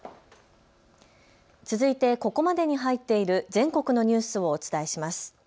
続いてここまでに入っている全国のニュースをお伝えします。